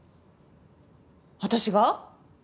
私が？